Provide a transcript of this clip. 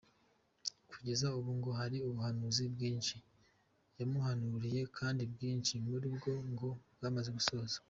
Kugeza ubu ngo hari ubuhanuzi bwinshi yamuhanuriye kandi bwinshi muri bwo ngo bwamaze gusohora.